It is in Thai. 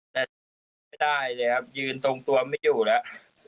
แต่สุดท้ายไม่ได้เลยครับยืนตรงตัวไม่อยู่แล้ว